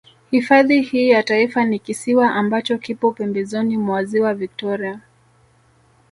Hifadhi hii ya Taifa ni kisiwa ambacho kipo pembezoni mwa Ziwa Victoria